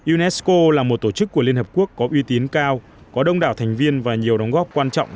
unesco là một tổ chức của liên hợp quốc có uy tín cao có đông đảo thành viên và nhiều đóng góp quan trọng